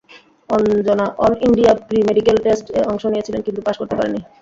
Anjana all India pre medical test -এ অংশ নিয়েছিলেন কিন্তু পাস করতে পারেননি।